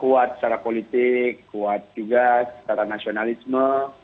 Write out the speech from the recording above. kuat secara politik kuat juga secara nasionalisme